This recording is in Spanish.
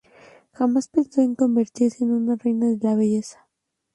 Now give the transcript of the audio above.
Jamás pensó en convertirse en una reina de la belleza.